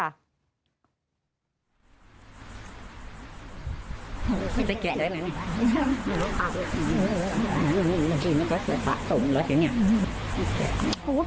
ไม่ได้แกะได้เลย